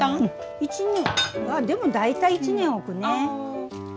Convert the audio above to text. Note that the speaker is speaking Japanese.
１年でも大体１年置くね。